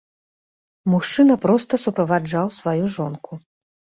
Мужчына проста суправаджаў сваю жонку.